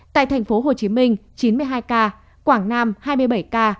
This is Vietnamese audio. tại tp hcm chín mươi hai ca quảng nam hai mươi bảy ca